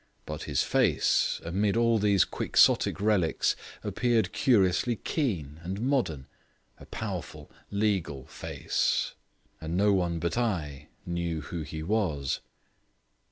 But his face, amid all these quixotic relics, appeared curiously keen and modern a powerful, legal face. And no one but I knew who he was.